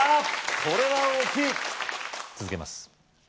これは大きい続けます